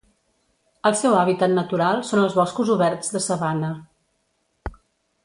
El seu hàbitat natural són els boscos oberts de sabana.